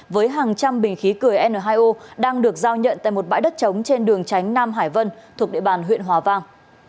với hàng trăm bình khí cười n hai o đang được giao nhận tại một bãi đất trống trên đường tránh nam hải vân thuộc địa bàn huyện hòa vang